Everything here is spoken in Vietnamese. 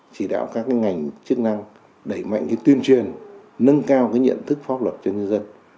chỉ đạo các ngành chức năng đẩy mạnh tuyên truyền nâng cao nhận thức pháp luật cho nhân dân